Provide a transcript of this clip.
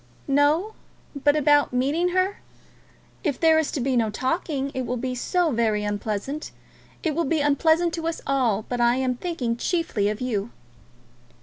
"No; but about meeting her? If there is to be no talking it will be so very unpleasant. It will be unpleasant to us all, but I am thinking chiefly of you."